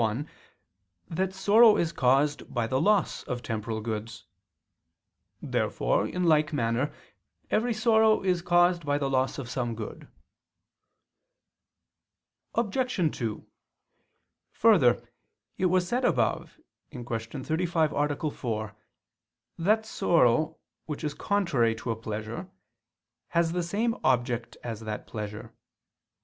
1) that sorrow is caused by the loss of temporal goods. Therefore, in like manner, every sorrow is caused by the loss of some good. Obj. 2: Further, it was said above (Q. 35, A. 4) that the sorrow which is contrary to a pleasure, has the same object as that pleasure.